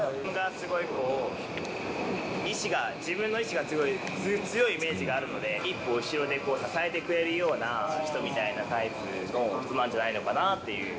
すごいこう、意志が、自分の意志が強いイメージがあるので、一歩後ろで支えてくれるような人みたいなタイプの人なんじゃないのかなっていう。